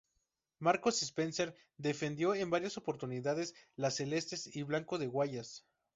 Marcos Spencer defendió en varias oportunidades la celeste y blanco de Guayas.